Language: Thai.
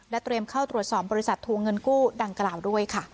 เตรียมเข้าตรวจสอบบริษัททัวร์เงินกู้ดังกล่าวด้วยค่ะ